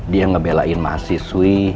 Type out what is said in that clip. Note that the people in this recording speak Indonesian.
dia ngebelain mahasiswi